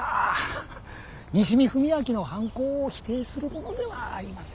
西見文明の犯行を否定するものではありませんが。